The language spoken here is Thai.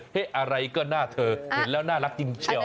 อะไรก็หน้าเธอเห็นแล้วน่ารักจริงเชียว